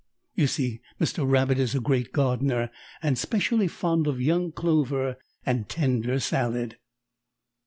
You see Mr. Rabbit is a great gardener, and specially fond of young clover and tender salad.